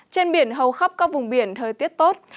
trên biển hầu khắp các vùng biển thời tiết tốt